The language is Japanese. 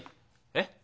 えっ？